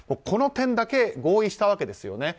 この点だけ、合意したわけです。